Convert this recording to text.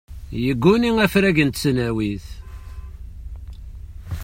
Yegguni afrag n tesnawit.